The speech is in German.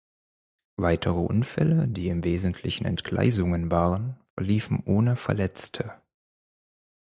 Weitere Unfälle, die im Wesentlichen Entgleisungen waren, verliefen ohne Verletzte.